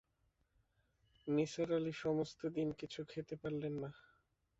নিসার আলি সমস্ত দিন কিছু খেতে পারলেন না।